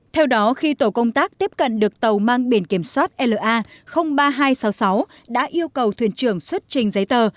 theo đó khi tổ công tác tiếp cận được tàu mang biển kiểm soát la ba nghìn hai trăm sáu mươi sáu đã yêu cầu thuyền trưởng xuất trình giấy tờ